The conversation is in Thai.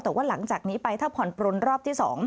แต่ว่าหลังจากนี้ไปถ้าผ่อนปลนรอบที่๒